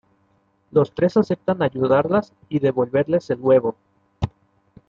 Los tres aceptan ayudarlas y devolverles el huevo.